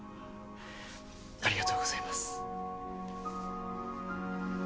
ありがとうございます。